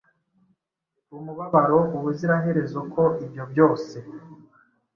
Umubabaro ubuziraherezo ko ibyo byose